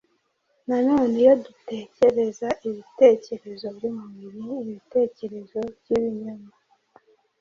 Na none, iyo dutekereza ibitekerezo by’umubiri, ibitekerezo by’ibinyoma,